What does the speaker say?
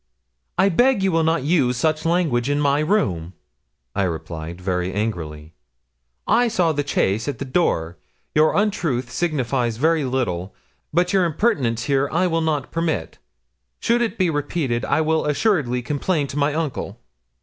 'I beg you will not use such language in my room,' I replied, very angrily. 'I saw the chaise at the door; your untruth signifies very little, but your impertinence here I will not permit. Should it be repeated, I will assuredly complain to my uncle.'